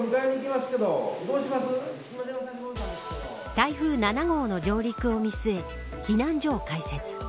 台風７号の上陸を見据え避難所を開設。